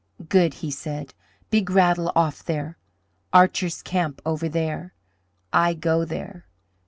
"Good!" he said. "Big Rattle off there, Archer's camp over there. I go there.